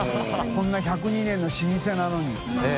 こんな１０２年の老舗なのに。